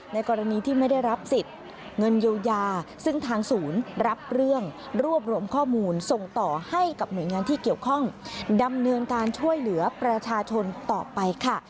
ในกรณีที่ไม่ได้รับสิทธิ์เงินเยียวยา